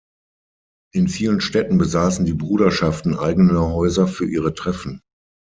In vielen Städten besaßen die Bruderschaften eigene Häuser für ihre Treffen.